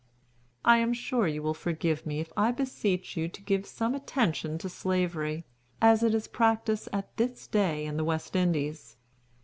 "I am sure you will forgive me if I beseech you to give some attention to Slavery, as it is practised at this day in the West Indies.